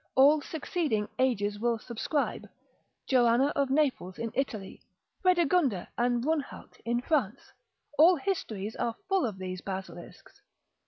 all succeeding ages will subscribe: Joanna of Naples in Italy, Fredegunde and Brunhalt in France, all histories are full of these basilisks.